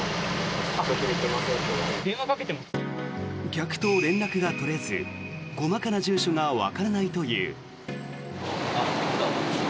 客と連絡が取れず細かな住所がわからないという。